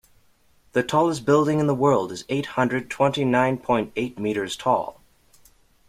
The tallest building in the world is eight hundred twenty nine point eight meters tall.